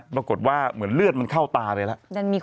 ปรากฏว่าเหมือนเลือดมันเข้าตาเลยละ